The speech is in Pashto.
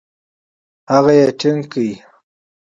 هغه يې ټينګه کړه.